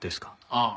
ああ。